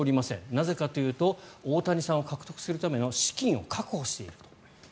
なぜかというと大谷さんを獲得するための資金を確保していると。